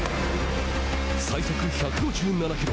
最速１５７キロ。